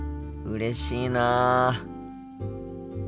うれしいなあ。